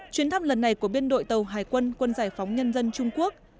chuyến thăm lần này của biên đội tàu hải quân quân giải phóng nhân dân trung quốc